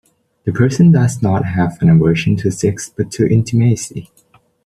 The person does not have an aversion to sex but to intimacy.